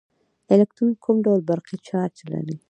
الکترون کوم ډول برقي چارچ لري.